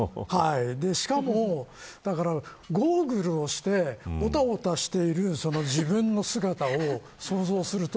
しかもゴーグルをしておたおたしている自分の姿を想像すると